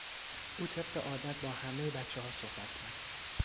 او طبق عادت با همهی بچه ها صحبت کرد.